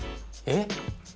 えっ？